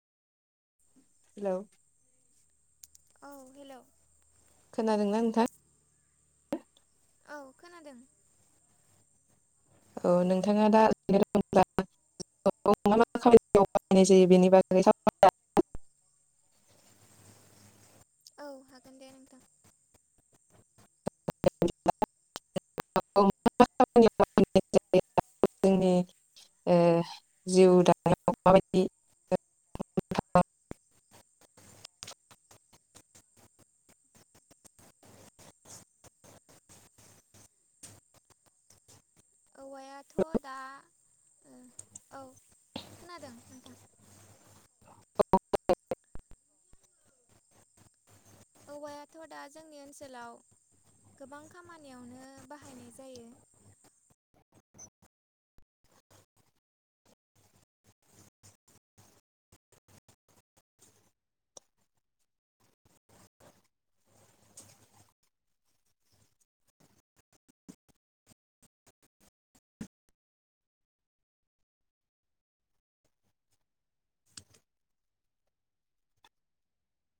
Hello औ hello खोनादोंना नोंथां? औ खोनादों। औ नोंथाङा दा ओरैनो दंब्ला [unintelligible] जायो बेनि बागै औ हागोन दे नोंथां। [unintelligible] जोंनि ओ जिउ दानायाव माबायदि औवायाथ दा ओं औ, खोनादों नोंथां? औवायाथ' दा जोंनि ओनसोलाव गोबां खामानियावनो बाहायनाय जायो।